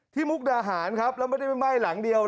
มุกดาหารครับแล้วไม่ได้ไหม้หลังเดียว